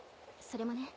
それもね